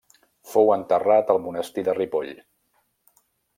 Fou enterrat al monestir de Ripoll.